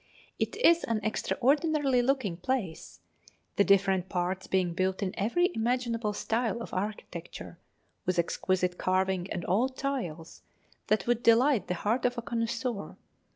It is an extraordinary looking place, the different parts being built in every imaginable style of architecture, with exquisite carving and old tiles that would delight the heart of a connoisseur.